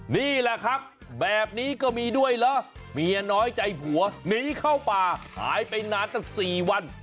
นี่แหละครับแบบนี้ก็มีด้วยเหรอเมียน้อยใจผัวหนีเข้าป่าหายไปนานตั้ง๔วัน